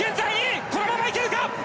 このままいけるか！